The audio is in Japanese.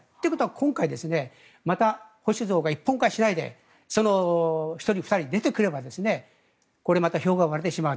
今回、また保守が一本化しないで１人２人出てくればこれまた票が割れてしまう。